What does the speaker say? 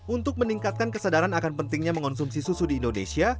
untuk meningkatkan kesadaran akan pentingnya mengonsumsi susu di indonesia